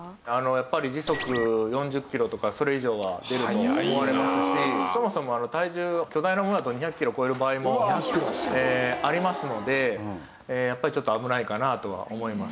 やっぱり時速４０キロとかそれ以上は出ると思われますしそもそも体重巨大なものだと２００キロ超える場合もありますのでやっぱりちょっと危ないかなとは思います。